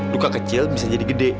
duka kecil bisa jadi gede